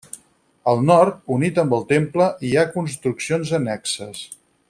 Al nord, unit amb el temple, hi ha construccions annexes.